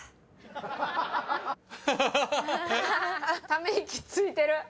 ため息ついてる。